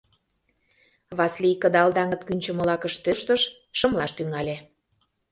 Васлий кыдал даҥыт кӱнчымӧ лакыш тӧрштыш, шымлаш тӱҥале.